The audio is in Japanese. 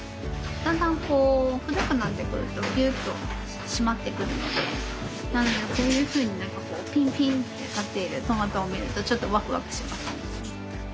だんだんこう古くなってくるとぎゅっと締まってくるんでこういうふうにピンピンって立っているトマトを見るとちょっとワクワクしますね。